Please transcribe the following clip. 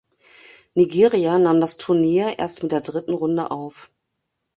Nigeria nahm das Turnier erst mit der dritten Runde auf.